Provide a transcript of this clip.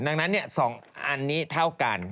ดังนั้นเนี่ยสองอันนี้เท่ากัน